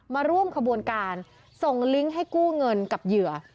มาร่วมขบวนการส่งลิงก์ให้กู้เงินกับเหยื่อ